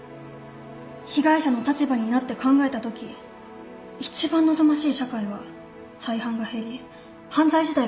被害者の立場になって考えたとき一番望ましい社会は再犯が減り犯罪自体がなくなることです。